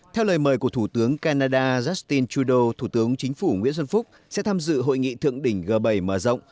theo lời mời của thủ tướng canada justin trudeau thủ tướng chính phủ nguyễn xuân phúc sẽ tham dự hội nghị thượng đỉnh g bảy mở rộng